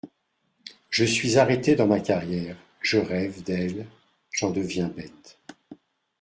Je suis arrêté dans ma carrière je rêve, d’elle… j’en deviens bête.